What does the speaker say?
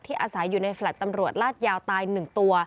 อาศัยอยู่ในแฟลต์ตำรวจลาดยาวตาย๑ตัว